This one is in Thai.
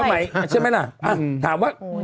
ใช่ไหมล่ะถามว่า